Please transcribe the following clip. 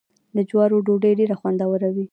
د جوارو ډوډۍ ډیره خوندوره وي.